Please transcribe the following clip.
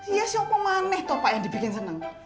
iya siapa maneh tuh pak yang dibikin seneng